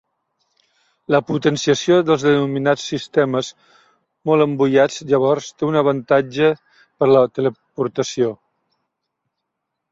La potenciació dels denominats sistemes molt embullats llavors té un avantatge per a la teleportació.